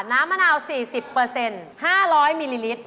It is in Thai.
น้ำมะนาว๔๐เปอร์เซ็นต์๕๐๐มิลลิลิตร